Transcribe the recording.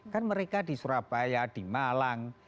kan mereka di surabaya di malang